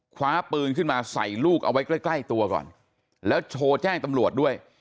คว้าปืนขึ้นมาใส่ลูกเอาไว้ใกล้ใกล้ตัวก่อนแล้วโชว์แจ้งตำรวจด้วย